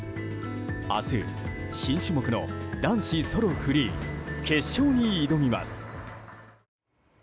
明日、新種目の男子ソロフリー決勝に挑みます。